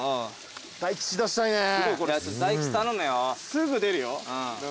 すぐ出るよ。